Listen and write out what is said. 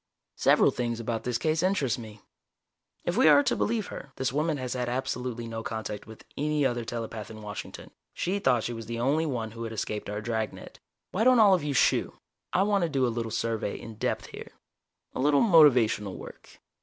"Several things about this case interest me. If we are to believe her, this woman has had absolutely no contact with any other telepath in Washington she thought she was the only one who had escaped our dragnet. Why don't all of you shoo I want to do a little survey in depth here a little motivational work.